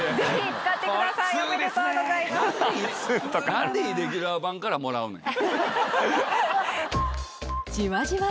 何でイレギュラー版からもらうねん！